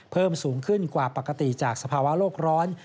เพิ่มสูงขึ้นกว่าปกติจากสภาวะโลกร้อน